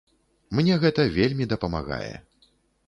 Мне гэта вельмі дапамагае.